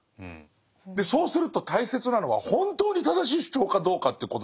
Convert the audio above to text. でそうすると大切なのは本当に正しい主張かどうかっていうことなんだけど。